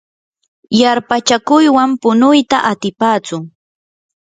yarpachakuywan punuyta atipatsu.